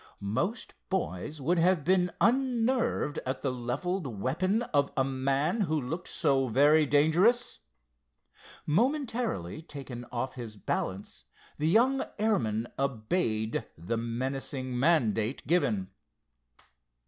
Most boys would have been unnerved at the leveled weapon of a man who looked so very dangerous. Momentarily taken off his balance, the young airman obeyed the menacing mandate given.